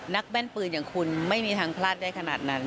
แม่นปืนอย่างคุณไม่มีทางพลาดได้ขนาดนั้น